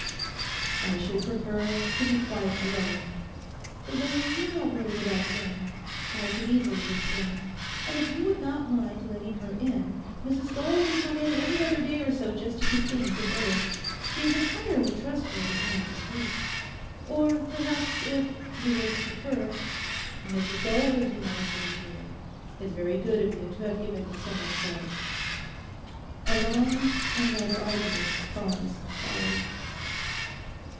'I should prefer to be quite alone.' 'Then do not worry about them. I can easily explain. And if you would not mind letting her in, Mrs Gull can come in every other day or so just to keep things in order. She's entirely trustworthy and discreet. Or perhaps, if you would prefer—' 'Mrs Gull will do nicely, Sheila. It's very good of you to have given me so much thought.' A long and rather arduous pause followed.